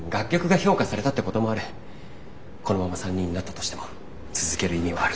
このまま３人になったとしても続ける意味はある。